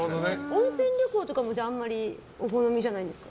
温泉旅行とかもあまりお好みじゃないんですか？